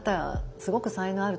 すごく才能あると思う。